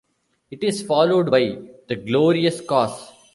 It is followed by "The Glorious Cause".